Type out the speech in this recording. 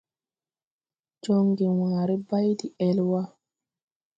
Jɔŋge wããre bay de-ɛl wà.